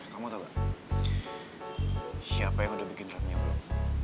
kamu tau gak siapa yang udah bikin remnya belum